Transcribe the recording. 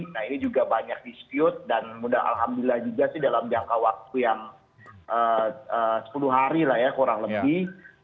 nah ini juga banyak dispute dan mudah alhamdulillah juga sih dalam jangka waktu yang sepuluh hari lah ya kurang lebih